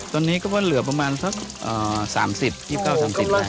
ตอนนี้ก็ว่าเหลือประมาณสักเอ่อสามสิบยี่สิบเก้าสามสิบไหน